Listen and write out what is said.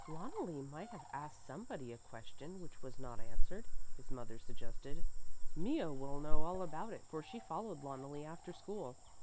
"Loneli might have asked somebody a question which was not answered," his mother suggested. "Mea will know all about it, for she followed Loneli after school.